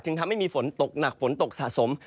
ทำให้มีฝนตกหนักฝนตกสะสม